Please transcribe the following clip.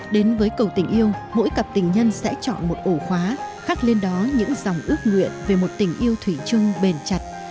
đến với cầu tình yêu mỗi cặp tình nhân sẽ chọn một ổ khóa khắc lên đó những dòng ước nguyện về một tình yêu thủy chung bền chặt